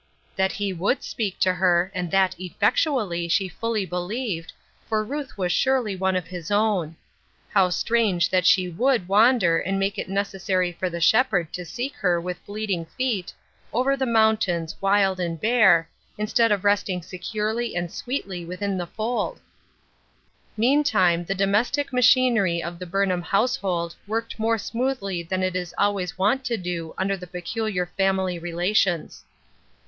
That he would speak to her, and that effectually, she fully believed, for Ruth was surely one of his own. How strange that she ivould wander and make it necessary for the Shepherd to seek her with bleeding feet, " over the mountains, wild and bare," instead of rest ing securely and sweetly within the fold I Meantime the domestic machinery of the Burnham household worked more smoothly than it is always wont to do under the peculiar fam ily relations.